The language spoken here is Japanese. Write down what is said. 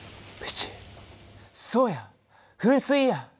そうやふん水や！